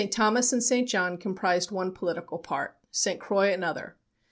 Thomas and St. John comprised one political part, St. Croix another.